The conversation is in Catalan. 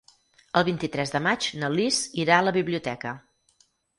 El vint-i-tres de maig na Lis irà a la biblioteca.